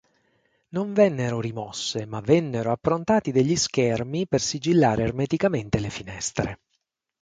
Non vennero rimosse ma vennero approntati degli schermi per sigillare ermeticamente le finestre.